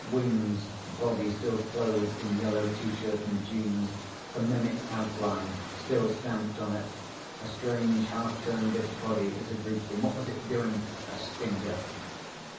Wings, body still clothed in yellow T shirt and jeans, the mimic outline still stamped on it. A strange half turn of its body as it reached him. What was it doing? A stinger.